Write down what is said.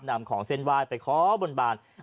นำของเส้นไหว้ไปขอบนบาน